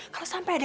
saya sudah berhenti